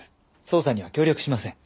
捜査には協力しません。